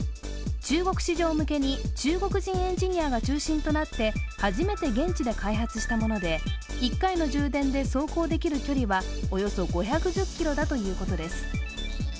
中国市場向けに中国人エンジニアが中心となって初めて現地で開発したもので、１回の充電で走行できる距離はおよそ５１０ｋｍだということです。